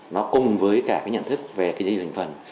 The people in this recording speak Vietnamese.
nó cùng với cả cái nhận thức về kinh doanh hành phần